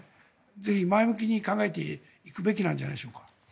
ぜひ、前向きに考えていくべきなんじゃないでしょうか。